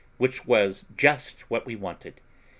which was just what we wanted.